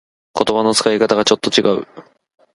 言葉の使い方がちょっと違う